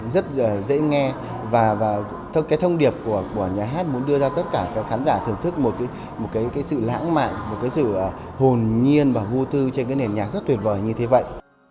rất dễ nghe và cái thông điệp của nhà hát muốn đưa ra cho khán giả thưởng thức một cái sự lãng mạn một cái sự hồn nhiên và vu tư trên cái nền nhạc rất tuyệt vời như thế vậy